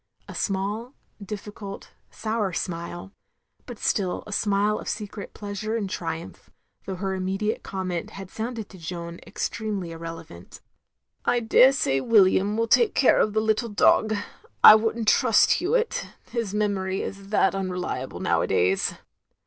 A small, difficult, sour smile, but still a sndle of secret pleasure and triumph, though her immediate comment had sounded to Jeanne extremely irrelevant. 263 264 THE LONELY LADY " I daresay William will take care of the little dog. I would n't trust Hewitt. His memory is that tmreliable nowadays.'